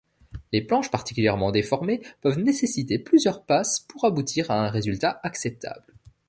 Les planches particulièrement déformées peuvent nécessiter plusieurs passes pour aboutir à un résultat acceptable.